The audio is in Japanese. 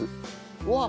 うわっ！